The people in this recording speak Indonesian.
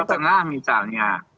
jawa tengah misalnya